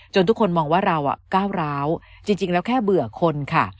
ทุกคนมองว่าเราก้าวร้าวจริงแล้วแค่เบื่อคนค่ะ